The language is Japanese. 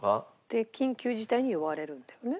で緊急事態に呼ばれるんだよね。